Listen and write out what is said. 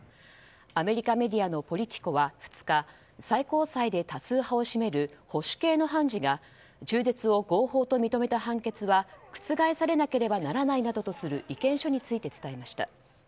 アメリカメディアのポリティコは２日最高裁で多数派を占める保守系の判事が中絶を合法と認めた判決は覆さなけれならないなどとする意見書について伝えました。